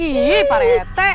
iya pak rete